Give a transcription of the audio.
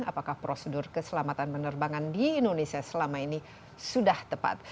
apakah prosedur keselamatan penerbangan di indonesia selama ini sudah tepat